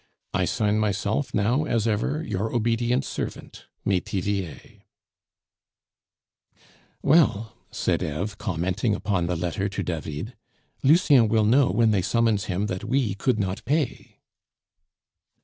I sign myself now, as ever, your obedient servant, "Metivier." "Well," said Eve, commenting upon the letter to David, "Lucien will know when they summons him that we could not pay."